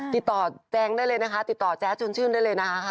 ติดต่อแจงได้เลยนะคะติดต่อแจ๊กชนชื่นได้เลยนะคะค่ะ